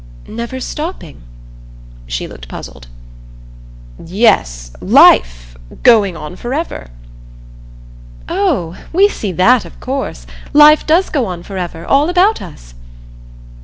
"Never stopping?" She looked puzzled. "Yes, life, going on forever." "Oh we see that, of course. Life does go on forever, all about us."